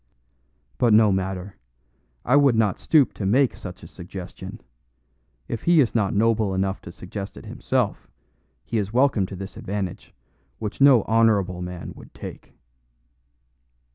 But no matter; I would not stoop to make such a suggestion; if he is not noble enough to suggest it himself, he is welcome to this advantage, which no honorable man would take."